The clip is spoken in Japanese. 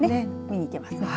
見に行けますね。